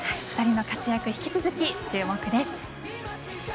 ２人の活躍、引き続き注目です。